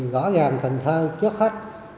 gõ gàng thành thơ trước hết